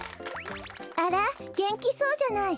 あらげんきそうじゃない。